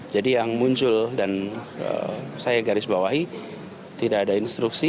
jadi yang muncul dan saya garis bawahi tidak ada instruksi